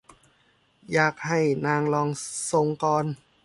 อยากให้นางลองส่งก่อน